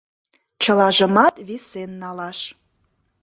Чылажымат висен налаш.